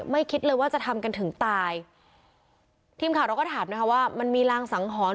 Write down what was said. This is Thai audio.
คิดเลยว่าจะทำกันถึงตายทีมข่าวเราก็ถามนะคะว่ามันมีรางสังหรณ์